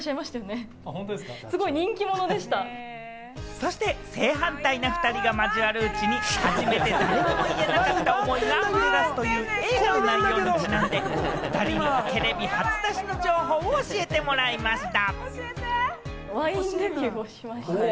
そして正反対の２人が交わるうちに初めて誰にも言えなかった思いがあふれ出すという映画の内容にちなんで２人にテレビ初出しの情報を教えてもらいました。